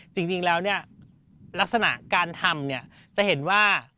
จริงแล้วเนี่ยลักษณะการทำเนี่ยจะเห็นว่า